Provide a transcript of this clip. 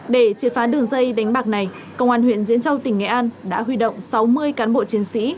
để triệt phá đường dây đánh bạc này công an huyện diễn châu tỉnh nghệ an đã huy động sáu mươi cán bộ chiến sĩ